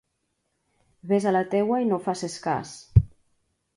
Ves a la teua i no faces cas.